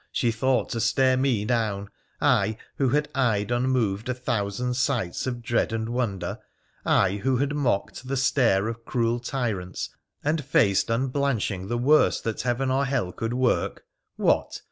she thought to stare me down — I, who had eyed unmoved a thousand sights of dread and wonder — I, who had mocked the stare of cruel tyrants and faced unblanch ing the worst that heaven or hell could work — what